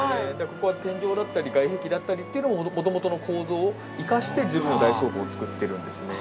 ここは天井だったり外壁っていうのももともとの構造を生かしてジブリの大倉庫を造っているんですね。